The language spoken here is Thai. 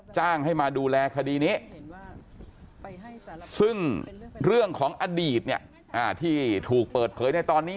จ้างให้มาดูแลคดีนี้ซึ่งเรื่องของอดีตเนี่ยที่ถูกเปิดเผยในตอนนี้